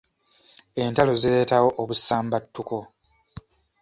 Entalo zireetawo obusambattuko.